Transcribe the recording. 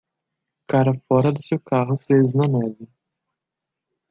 Cara fora do seu carro preso na neve.